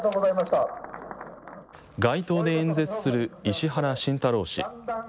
街頭で演説する石原慎太郎氏。